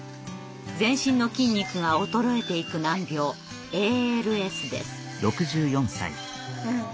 全身の筋肉が衰えていく難病ＡＬＳです。